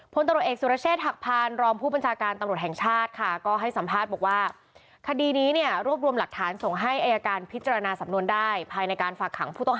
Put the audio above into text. พลตรวจเอกสุรเชษฐ์หักพันธุ์รอมผู้บัญชาการตำรวจแห่งชาติค่ะก็ให้สัมภาษณ์บอกว่า